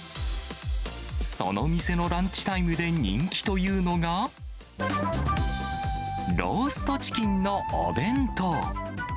その店のランチタイムで人気というのが、ローストチキンのお弁当。